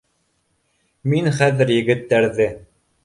Мин хәҙер егеттәрҙе